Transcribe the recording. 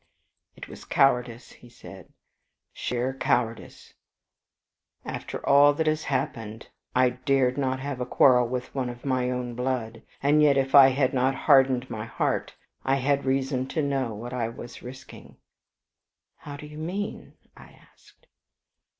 "It was cowardice," he said, "sheer cowardice! After all that has happened, I dared not have a quarrel with one of my own blood. And yet if I had not hardened my heart, I had reason to know what I was risking." "How do you mean?" I asked.